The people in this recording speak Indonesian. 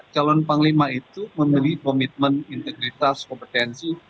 calon panglima itu memilih komitmen integritas kompetensi